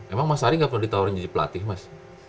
emang mas ari gak pernah ditawarin jadi pelatih mas